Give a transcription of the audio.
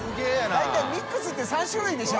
大体ミックスって３種類でしょ？